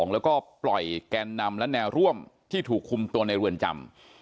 แล้วก็ปล่อยแกนนำและแนวร่วมที่ถูกคุมตัวในเรือนจำ